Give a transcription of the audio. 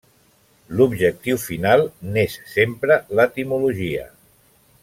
L'objectiu final n'és sempre l'etimologia.